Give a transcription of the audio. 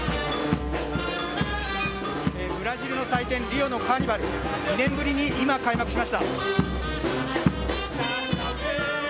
ブラジルの祭典、リオのカーニバル、２年ぶりに今、開幕しました。